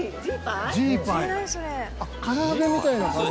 唐揚げみたいな感じ。